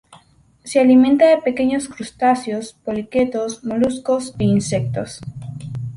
Se alimenta de pequeños crustáceos, poliquetos, moluscos e insectos.